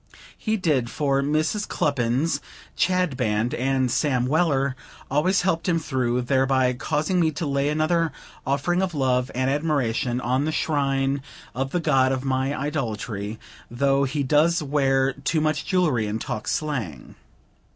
He did; for "Mrs. Cluppins," "Chadband," and "Sam Weller," always helped him through; thereby causing me to lay another offering of love and admiration on the shrine of the god of my idolatry, though he does wear too much jewelry and talk slang.